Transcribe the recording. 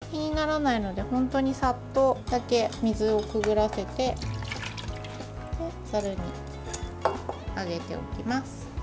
そんなにあくは気にならないので本当にサッとだけ水にくぐらせてざるにあげておきます。